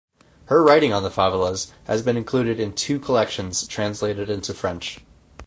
Her writing on the favelas has been included in two collections translated into French.